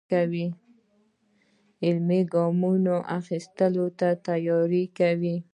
عملي ګامونو اخیستلو ته تیاری کوي.